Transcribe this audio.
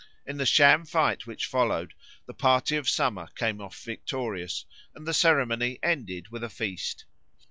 In the sham fight which followed the party of Summer came off victorious, and the ceremony ended with a feast.